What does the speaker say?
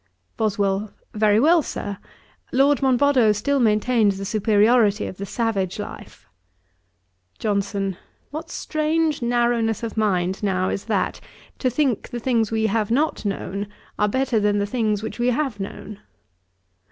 BOSWELL. 'Very well, Sir. Lord Monboddo still maintains the superiority of the savage life.' JOHNSON. 'What strange narrowness of mind now is that, to think the things we have not known, are better than the things which we have known.'